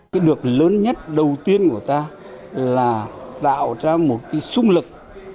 cái được lớn nhất đầu tiên của ta là tạo ra một cái sung lực